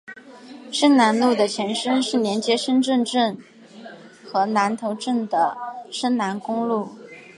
深南路的前身是连接深圳镇和南头镇的深南公路。